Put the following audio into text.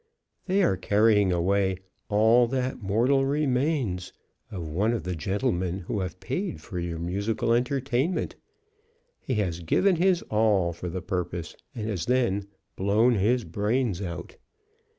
They are carrying away "all that mortal remains" of one of the gentlemen who have paid for your musical entertainment. He has given his all for the purpose, and has then blown his brains out.